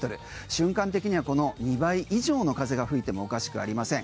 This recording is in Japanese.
瞬間的にはこの２倍以上の風が吹いてもおかしくありません。